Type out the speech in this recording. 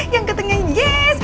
yang ketengan yes